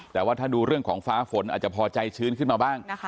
แต่ว่าถ้าดูเรื่องของฟ้าฝนอาจจะพอใจชื้นขึ้นมาบ้าง